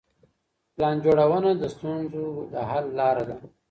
پلان جوړونه د ستونزو د حل لاره ده.